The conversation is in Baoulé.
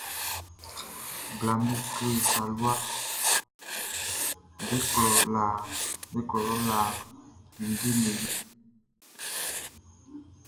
Blaʼm be kle talua kannganʼm be klɔ lɔ lã ninngeʼm be yolɛ.